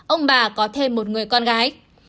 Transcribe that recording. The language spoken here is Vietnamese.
ông bà có thêm một người con gái